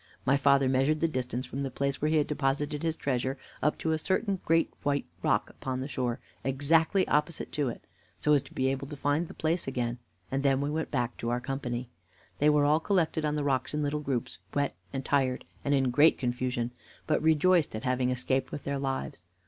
My father measured the distance from the place where he had deposited his treasure up to a certain great white rock upon the shore exactly opposite to it, so as to be able to find the place again, and then we went back to our company. They were collected on the rocks in little groups, wet and tired, and in great confusion, but rejoiced at having escaped with their lives.